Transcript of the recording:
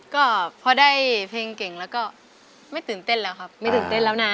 ก็พอได้เพลงเก่งแล้วก็ไม่ตื่นเต้นแล้วครับไม่ตื่นเต้นแล้วนะ